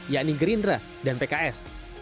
yakni gerindra dan pks